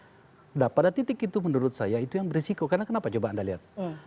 nah pada titik itu menurut saya itu yang berisiko karena kenapa coba anda lihat